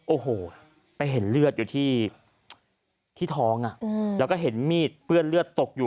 โอ้โหไปเห็นเลือดอยู่ที่ท้องแล้วก็เห็นมีดเปื้อนเลือดตกอยู่